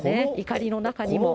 怒りの中にも。